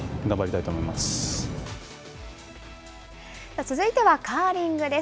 続いてはカーリングです。